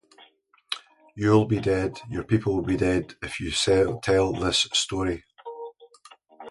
You'll be dead, your people will be dead, if you tell this story.